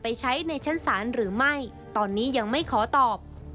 ใช้ในชั้นศาลหรือไม่ตอนนี้ยังไม่ขอตอบ